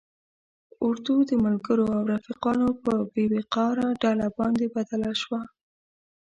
اردو د ملګرو او رفیقانو په بې وقاره ډله باندې بدل شوه.